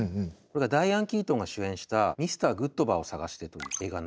これがダイアン・キートンが主演した「ミスター・グッドバーを探して」という映画になります。